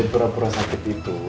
pura pura sakit itu